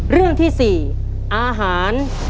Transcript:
เรื่องที่๔อาหาร